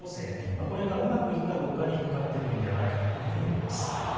これがうまくいくかどうかにかかってくると思います。